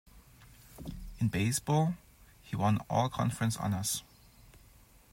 In baseball, he won All-Conference honors.